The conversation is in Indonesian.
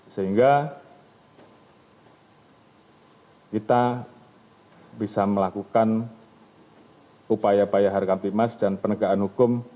sehingga kita bisa melakukan upaya upaya hargampimas dan penegakan hukum